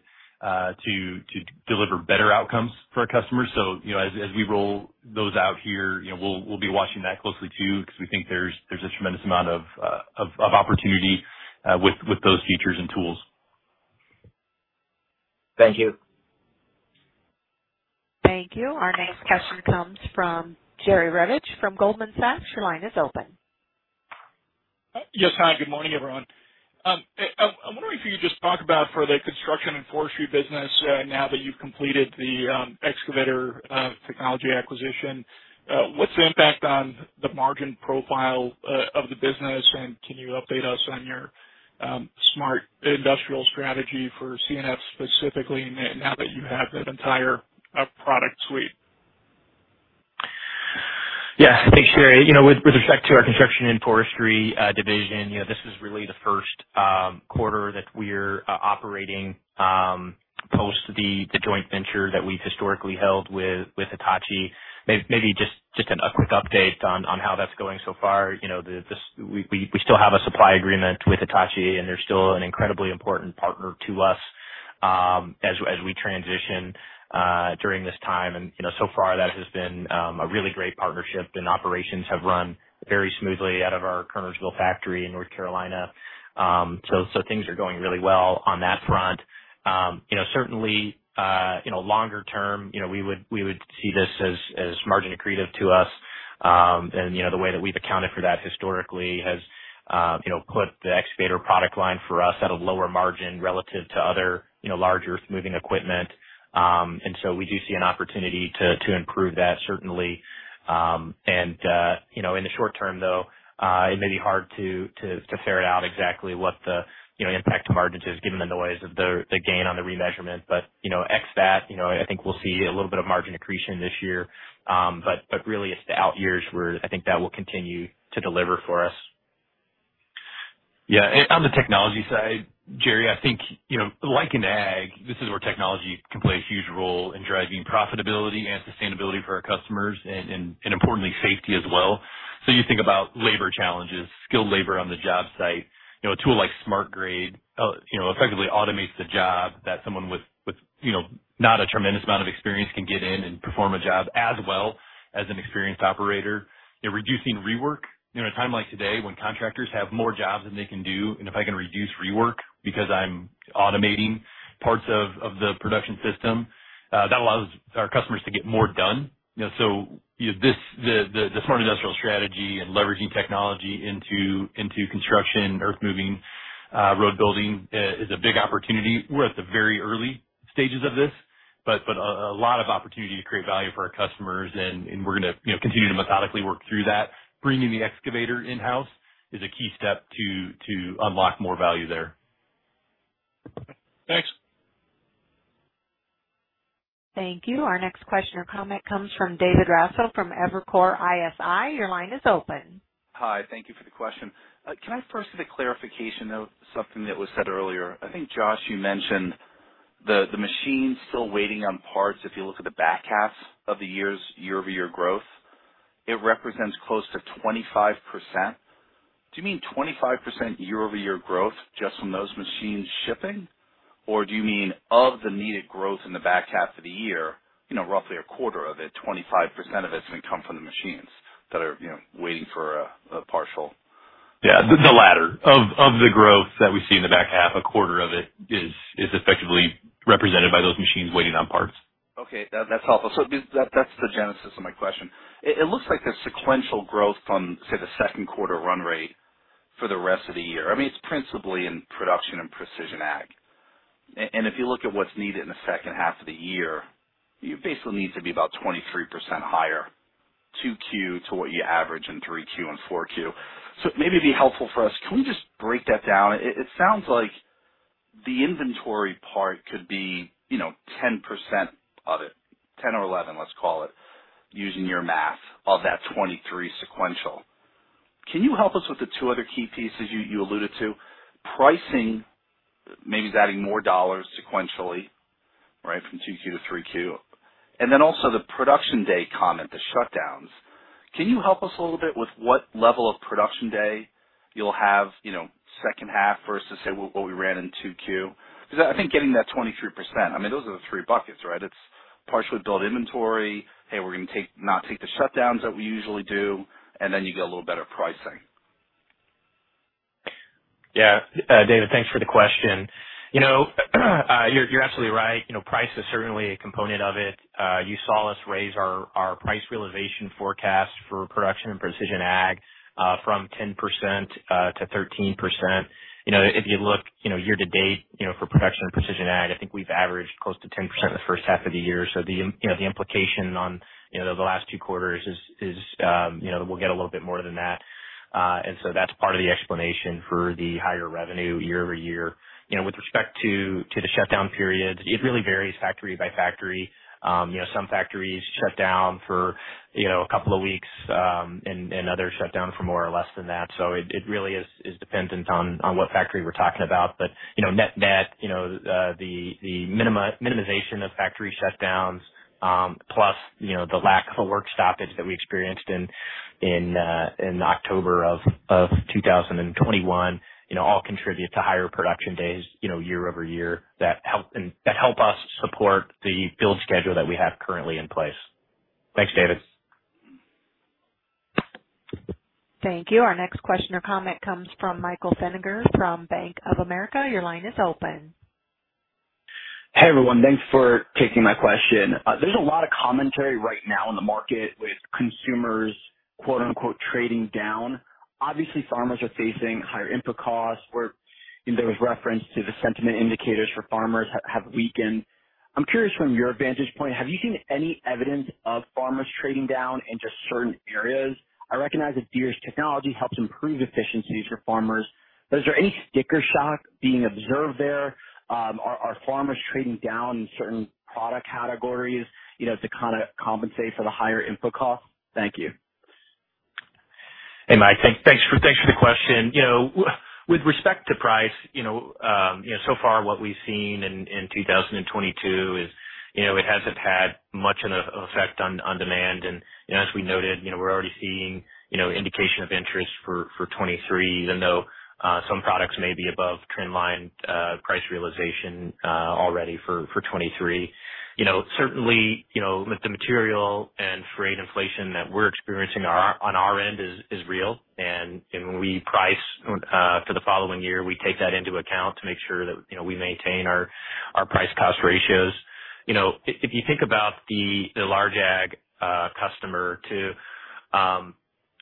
to deliver better outcomes for our customers. You know, as we roll those out here, we'll be watching that closely too, because we think there's a tremendous amount of opportunity with those features and tools. Thank you. Thank you. Our next question comes from Jerry Revich from Goldman Sachs. Your line is open. Yes. Hi, good morning, everyone. I'm wondering if you could just talk about for the Construction & Forestry business, now that you've completed the excavator technology acquisition. What's the impact on the margin profile of the business? Can you update us on your Smart Industrial strategy for C&F specifically now that you have that entire product suite? Yeah. Thanks, Jerry. You know, with respect to our Construction & Forestry division, you know, this is really the Q1 that we're operating post the joint venture that we've historically held with Hitachi. Maybe just a quick update on how that's going so far. You know, this, we still have a supply agreement with Hitachi, and they're still an incredibly important partner to us, as we transition during this time. You know, so far that has been a really great partnership and operations have run very smoothly out of our Kernersville factory in North Carolina. So things are going really well on that front. You know, certainly, you know, longer term, you know, we would see this as margin accretive to us. You know, the way that we've accounted for that historically has, you know, put the excavator product line for us at a lower margin relative to other, you know, larger moving equipment. We do see an opportunity to improve that, certainly. You know, in the short term, though, it may be hard to ferret out exactly what the, you know, impact to margins is given the noise of the gain on the remeasurement. You know, ex that, you know, I think we'll see a little bit of margin accretion this year. Really it's the out years where I think that will continue to deliver for us. Yeah. On the technology side, Jerry, I think, you know, like in ag, this is where technology can play a huge role in driving profitability and sustainability for our customers and importantly safety as well. You think about labor challenges, skilled labor on the job site. You know, a tool like SmartGrade, you know, effectively automates the job that someone with, you know, not a tremendous amount of experience can get in and perform a job as well as an experienced operator. You know, reducing rework in a time like today when contractors have more jobs than they can do. If I can reduce rework because I'm automating parts of the production system, that allows our customers to get more done. You know, the Smart Industrial strategy and leveraging technology into construction, earthmoving, road building, is a big opportunity. We're at the very early stages of this, but a lot of opportunity to create value for our customers and we're gonna, you know, continue to methodically work through that. Bringing the excavator in-house is a key step to unlock more value there. Thanks. Thank you. Our next question or comment comes from David Raso from Evercore ISI. Your line is open. Hi. Thank you for the question. Can I first get a clarification of something that was said earlier? I think, Josh, you mentioned the machine still waiting on parts. If you look at the back half of the year's year-over-year growth, it represents close to 25%. Do you mean 25% year-over-year growth just from those machines shipping? Or do you mean of the needed growth in the back half of the year, you know, roughly a quarter of it, 25% of it is gonna come from the machines that are, you know, waiting for a partial- Yeah, the latter. Of the growth that we see in the back half, a quarter of it is effectively represented by those machines waiting on parts. That’s helpful. That’s the genesis of my question. It looks like the sequential growth from, say, the Q2 run rate for the rest of the year. I mean, it’s principally in Production and Precision Ag. And if you look at what’s needed in the H2 of the year, you basically need to be about 23% higher 2Q to what you average in 3Q and 4Q. It may be helpful for us. Can we just break that down? It sounds like the inventory part could be, you know, 10% of it, 10 or 11, let’s call it, using your math of that 23 sequential. Can you help us with the two other key pieces you alluded to? Pricing maybe is adding more dollars sequentially, right, from 2Q to 3Q. Also the production day comment, the shutdowns. Can you help us a little bit with what level of production day you'll have, you know, H2 versus, say, what we ran in 2Q? 'Cause I think getting that 23%, I mean, those are the three buckets, right? It's partially build inventory. Hey, we're gonna not take the shutdowns that we usually do, and then you get a little better pricing. Yeah. David, thanks for the question. You know, you're absolutely right. You know, price is certainly a component of it. You saw us raise our price realization forecast for Production and Precision Ag, from 10% to 13%. You know, if you look, year to date, for Production and Precision Ag, I think we've averaged close to 10% in the H1of the year. The implication on the last two quarters is we'll get a little bit more than that. That's part of the explanation for the higher revenue year-over-year. You know, with respect to the shutdown periods, it really varies factory by factory. You know, some factories shut down for, you know, a couple of weeks, and others shut down for more or less than that. It really is dependent on what factory we're talking about. You know, net-net, you know, the minimization of factory shutdowns, plus, you know, the lack of a work stoppage that we experienced in October of 2021, you know, all contribute to higher production days, you know, year-over-year that help us support the build schedule that we have currently in place. Thanks, David. Thank you. Our next question or comment comes from Michael Feniger from Bank of America. Your line is open. Hey, everyone. Thanks for taking my question. There's a lot of commentary right now in the market with consumers, quote-unquote, "trading down." Obviously, farmers are facing higher input costs, or there was reference to the sentiment indicators for farmers have weakened. I'm curious from your vantage point, have you seen any evidence of farmers trading down in just certain areas? I recognize that Deere's technology helps improve efficiencies for farmers, but is there any sticker shock being observed there? Are farmers trading down in certain product categories, you know, to kinda compensate for the higher input costs? Thank you. Hey, Mike. Thanks for the question. You know, with respect to price, you know, so far what we've seen in 2022 is, you know, it hasn't had much of an effect on demand. You know, as we noted, you know, we're already seeing, you know, indication of interest for 2023, even though some products may be above trend line price realization already for 2023. You know, certainly, you know, the material and freight inflation that we're experiencing on our end is real. When we price for the following year, we take that into account to make sure that, you know, we maintain our price cost ratios. You know, if you think about the large ag customer, too,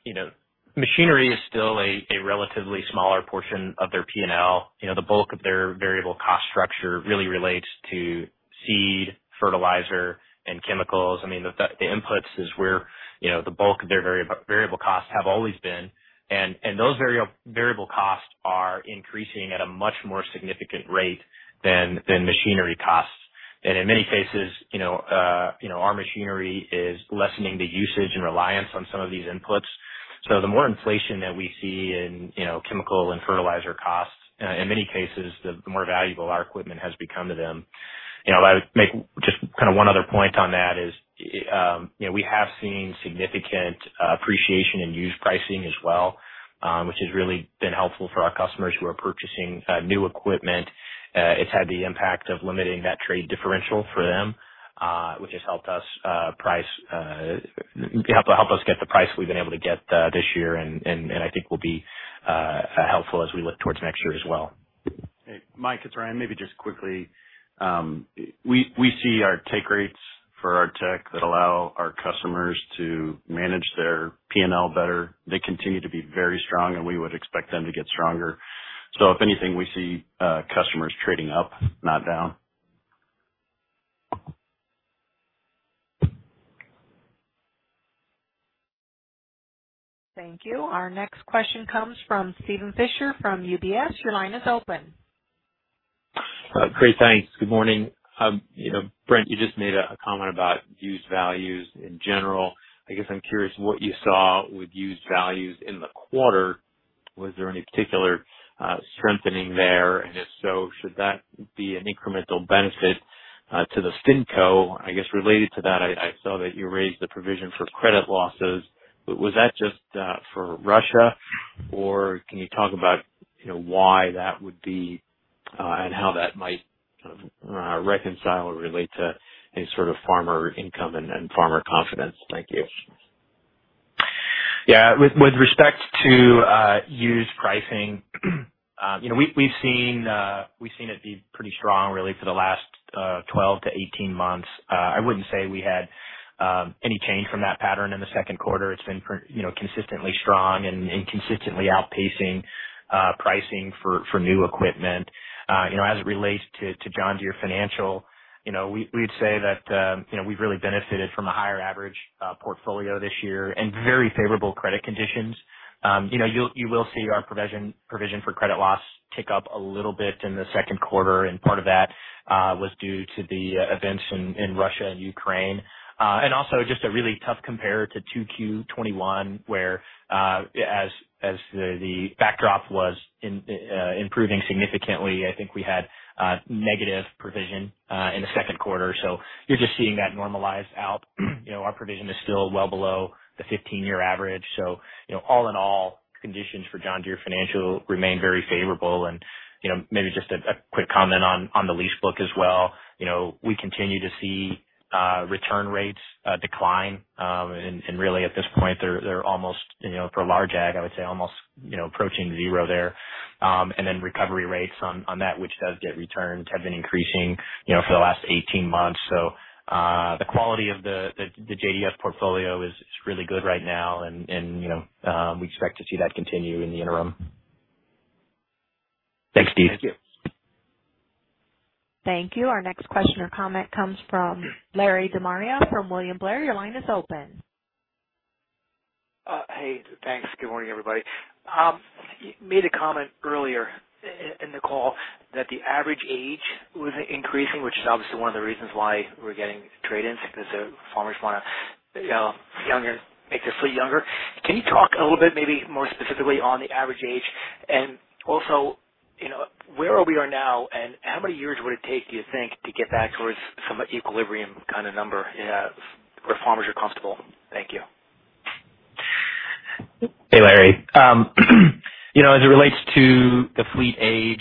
you know, machinery is still a relatively smaller portion of their PNL. You know, the bulk of their variable cost structure really relates to seed, fertilizer, and chemicals. I mean, the inputs is where, you know, the bulk of their variable costs have always been. Those variable costs are increasing at a much more significant rate than machinery costs. In many cases, you know, you know, our machinery is lessening the usage and reliance on some of these inputs. The more inflation that we see in, you know, chemical and fertilizer costs, in many cases, the more valuable our equipment has become to them. You know, I would make just kind of one other point on that. You know, we have seen significant appreciation in used pricing as well, which has really been helpful for our customers who are purchasing new equipment. It's had the impact of limiting that trade differential for them, which has helped us get the price we've been able to get this year, and I think will be helpful as we look towards next year as well. Hey, Mike, it's Ryan. Maybe just quickly, we see our take rates for our tech that allow our customers to manage their P&L better. They continue to be very strong, and we would expect them to get stronger. If anything, we see customers trading up, not down. Thank you. Our next question comes from Steven Fisher from UBS. Your line is open. Great, thanks. Good morning. You know, Brent, you just made a comment about used values in general. I guess I'm curious what you saw with used values in the quarter. Was there any particular strengthening there? And if so, should that be an incremental benefit to the Finco? I guess related to that, I saw that you raised the provision for credit losses, but was that just for Russia, or can you talk about, you know, why that would be, and how that might kind of reconcile or relate to any sort of farmer income and farmer confidence? Thank you. Yeah. With respect to used pricing, you know, we've seen it be pretty strong really for the last 12-18 months. I wouldn't say we had any change from that pattern in the Q2 It's been pretty strong and consistently outpacing pricing for new equipment. You know, as it relates to John Deere Financial, you know, we'd say that, you know, we've really benefited from a higher average portfolio this year and very favorable credit conditions. You know, you'll see our provision for credit loss tick up a little bit in the Q2, and part of that was due to the events in Russia and Ukraine. Just a really tough compare to 2Q 2021, where as the backdrop was improving significantly, I think we had negative provision in the Q2 You're just seeing that normalize out. You know, our provision is still well below the 15-year average. You know, all in all, conditions for John Deere Financial remain very favorable. You know, maybe just a quick comment on the lease book as well. You know, we continue to see return rates decline. Really at this point they're almost, you know, for large ag, I would say almost, you know, approaching zero there. Then recovery rates on that which does get returned have been increasing, you know, for the last 18 months. The quality of the JDF portfolio is really good right now. You know, we expect to see that continue in the interim. Thanks, Steve. Thank you. Thank you. Our next question or comment comes from Larry De Maria from William Blair. Your line is open. Hey, thanks. Good morning, everybody. You made a comment earlier in the call that the average age was increasing, which is obviously one of the reasons why we're getting trade-ins, because farmers wanna, you know, younger, make their fleet younger. Can you talk a little bit, maybe more specifically on the average age? Also, you know, where we are now and how many years would it take, do you think, to get back towards some equilibrium kind of number, where farmers are comfortable? Thank you. Hey, Larry. You know, as it relates to the fleet age,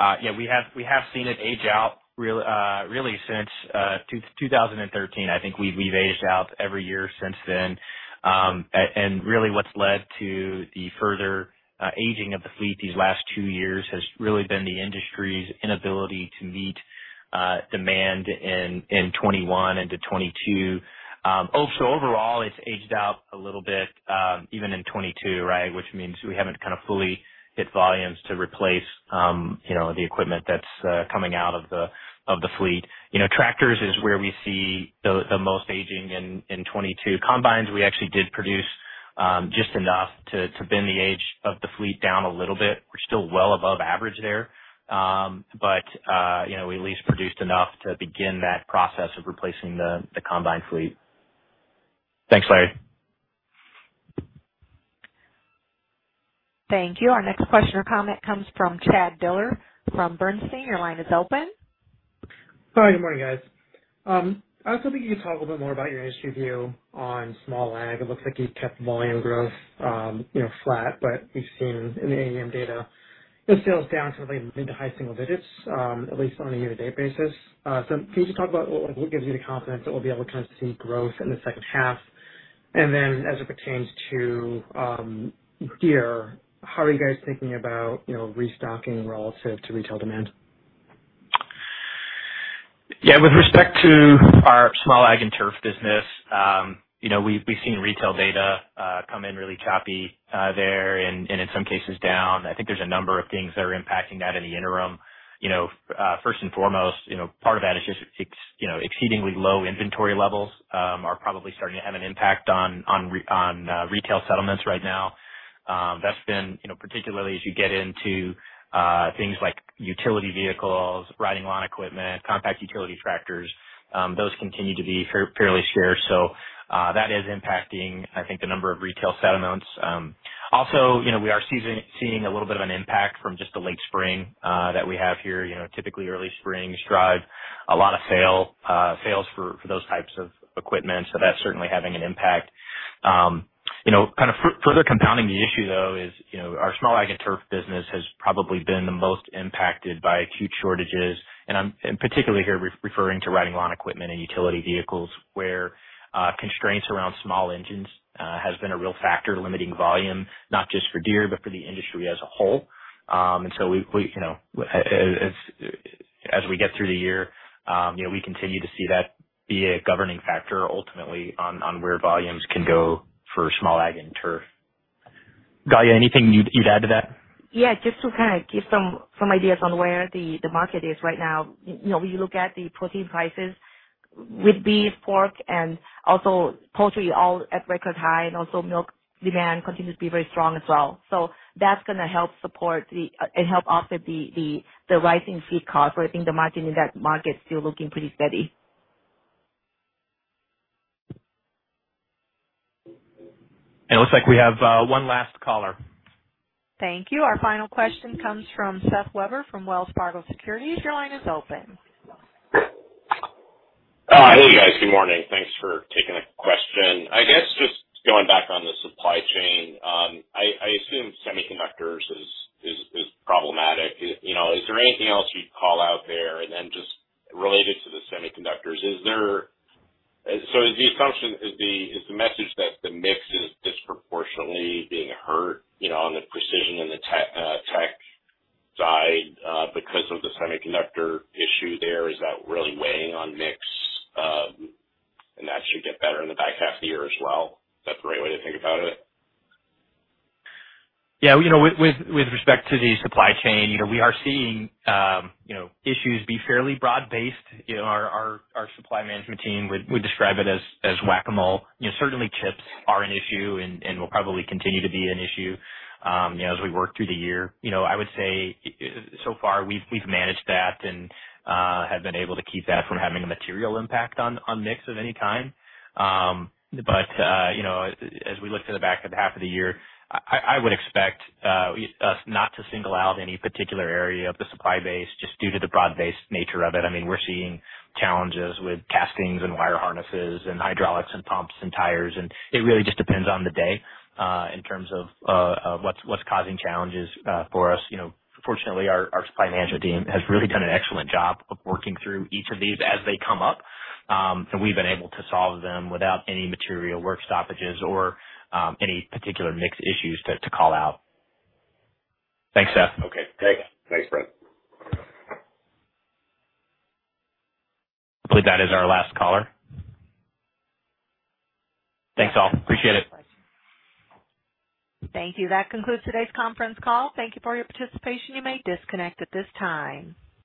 yeah, we have seen it age out really since 2013. I think we've aged out every year since then. And really what's led to the further aging of the fleet these last two years has really been the industry's inability to meet demand in 2021 into 2022. Also overall, it's aged out a little bit, even in 2022, right? Which means we haven't kind of fully hit volumes to replace, you know, the equipment that's coming out of the fleet. You know, tractors is where we see the most aging in 2022. Combines, we actually did produce just enough to bend the age of the fleet down a little bit. We're still well above average there. You know, we at least produced enough to begin that process of replacing the combine fleet. Thanks, Larry. Thank you. Our next question or comment comes from Chad Dillard from Bernstein. Your line is open. Sorry, good morning, guys. I was hoping you could talk a little bit more about your industry view on small ag. It looks like you've kept volume growth, you know, flat, but we've seen in the AEM data that sales down sort of like mid- to high-single digits, at least on a year-to-date basis. Can you just talk about what gives you the confidence that we'll be able to kind of see growth in the H2? As it pertains to Deere, how are you guys thinking about restocking relative to retail demand? Yeah. With respect to our Small Ag & Turf business, you know, we've seen retail data come in really choppy there and in some cases down. I think there's a number of things that are impacting that in the interim. You know, first and foremost, you know, part of that is just exceedingly low inventory levels are probably starting to have an impact on retail settlements right now. That's been, you know, particularly as you get into things like utility vehicles, riding lawn equipment, compact utility tractors, those continue to be fairly scarce. That is impacting, I think, the number of retail settlements. Also, you know, we are seeing a little bit of an impact from just the late spring that we have here. You know, typically early springs drive a lot of sales for those types of equipment. That's certainly having an impact. You know, kind of further compounding the issue though is our Small Ag & Turf business has probably been the most impacted by acute shortages. Particularly here referring to riding lawn equipment and utility vehicles, where constraints around small engines has been a real factor limiting volume, not just for Deere, but for the industry as a whole. We you know, as we get through the year, you know, we continue to see that be a governing factor ultimately on where volumes can go for Small Ag & Turf. Kanlaya, anything you'd add to that? Yeah. Just to kind of give some ideas on where the market is right now. You know, when you look at the protein prices with beef, pork, and also poultry all at record high, and also milk demand continues to be very strong as well. That's gonna help support the and help offset the rising feed costs, so I think the margin in that market is still looking pretty steady. It looks like we have one last caller. Thank you. Our final question comes from Seth Weber from Wells Fargo Securities. Your line is open. Hi guys. Good morning. Thanks for taking a question. I guess just going back on the supply chain, I assume semiconductors is problematic. You know, is there anything else you'd call out there? Just related to the semiconductors, so is the assumption, is the message that the mix is disproportionately being hurt, you know, on the precision and the tech side, because of the semiconductor issue there, is that really weighing on mix, and that should get better in the back half of the year as well? Is that the right way to think about it? You know, with respect to the supply chain, you know, we are seeing issues being fairly broad-based. You know, our supply management team would describe it as Whac-A-Mole. You know, certainly chips are an issue and will probably continue to be an issue, you know, as we work through the year. You know, I would say so far, we've managed that and have been able to keep that from having a material impact on mix of any kind. You know, as we look to the back half of the year, I would expect us not to single out any particular area of the supply base just due to the broad-based nature of it. I mean, we're seeing challenges with castings and wire harnesses and hydraulics and pumps and tires, and it really just depends on the day in terms of what's causing challenges for us. You know, fortunately, our supply management team has really done an excellent job of working through each of these as they come up, and we've been able to solve them without any material work stoppages or any particular mix issues to call out. Thanks, Seth. Okay, great. Thanks, Brent. I believe that is our last caller. Thanks all. Appreciate it. Thank you. That concludes today's conference call. Thank you for your participation. You may disconnect at this time.